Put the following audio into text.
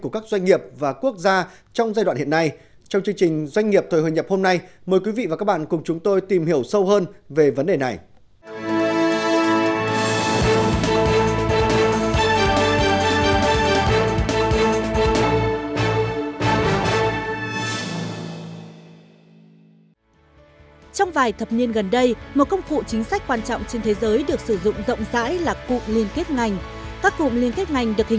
mời quý vị và các bạn cùng chúng tôi tìm hiểu sâu hơn về vấn đề này